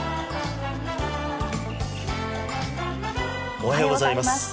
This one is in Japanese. おはようございます。